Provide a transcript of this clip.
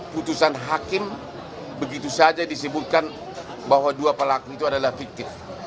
putusan hakim begitu saja disebutkan bahwa dua pelaku itu adalah fiktif